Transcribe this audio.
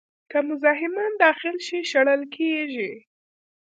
که مزاحمان داخل شي، شړل کېږي.